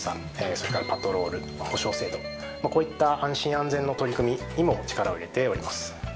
それからパトロール補償制度こういった安心安全の取り組みにも力を入れております。